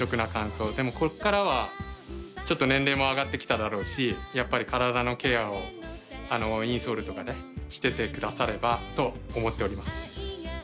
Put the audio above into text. でもこっからは年齢も上がってきただろうしやっぱり体のケアをインソールとかでしててくださればと思っております。